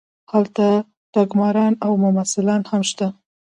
هلته ټګماران او ممثلان هم شته.